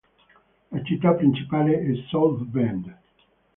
La città principale è South Bend.